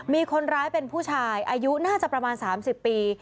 มีคนร้ายเป็นผู้ชายอายุน่าจะประมาณ๓๐ปี